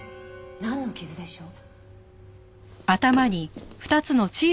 なんの傷でしょう？